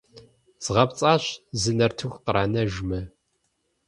Згъэпцӏащ, зы нартыху къранэжмэ!